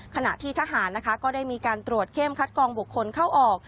ขณะที่ทหารนะคะก็ได้มีการตรวจเข้มคัดกองบุคคลเข้าออก